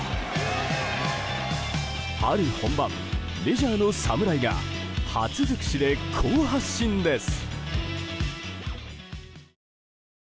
春本番、メジャーの侍が初尽くしで好発進です。